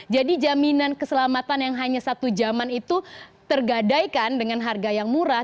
jadi jaminan keselamatan yang hanya satu jaman itu tergadaikan dengan harga yang murah